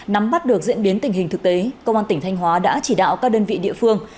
nắm bắt được diễn biến tình hình thực tế công an tỉnh thanh hóa đã chỉ đạo các đơn vị địa phương